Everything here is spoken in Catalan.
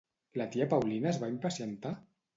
La tia Paulina es va impacientar?